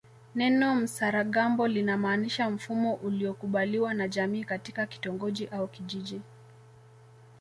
Neno msaragambo linamaanisha mfumo uliokubaliwa na jamii katika kitongoji au kijiji